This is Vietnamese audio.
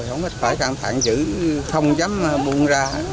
không phải càng thẳng giữ không dám buông ra